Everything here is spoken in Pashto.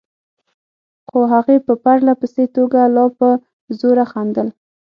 خو هغې په پرله پسې توګه لا په زوره خندل.